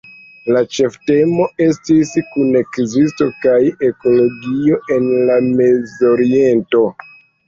La ĉeftemo estis “kunekzisto kaj ekologio en la Mezoriento".